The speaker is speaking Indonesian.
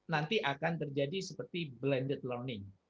nanti akan terjadi seperti blended learning